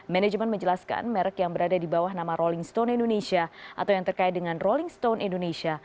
manajemen menjelaskan merek yang berada di bawah nama rolling stone indonesia atau yang terkait dengan rolling stone indonesia